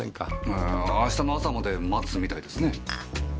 ああ明日の朝まで待つみたいですね。